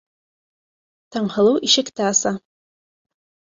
Таңһылыу ишекте аса.